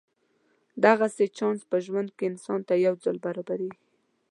دغسې چانس په ژوند کې انسان ته یو ځل برابرېږي.